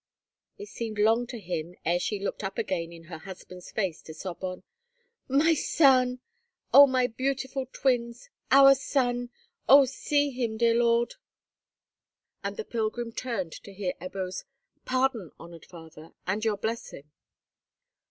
It seemed long to him ere she looked up again in her husband's face to sob on: "My son! Oh! my beautiful twins! Our son! Oh, see him, dear lord!" And the pilgrim turned to hear Ebbo's "Pardon, honoured father, and your blessing."